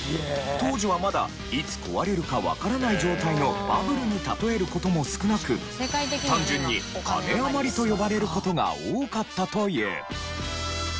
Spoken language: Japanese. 当時はまだいつ壊れるかわからない状態をバブルに例える事も少なく単純に「金あまり」と呼ばれる事が多かったという。